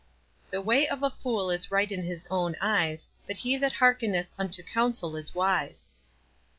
"The way of a fool is right in his own eyes, but he that hark* eneth unto counsel is wise."